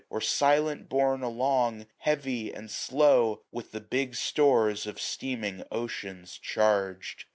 Or silent borne along, heavy, and slow, With the big stores of steaming oceans charged.